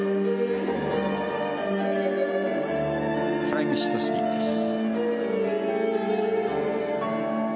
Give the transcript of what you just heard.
フライングシットスピンです。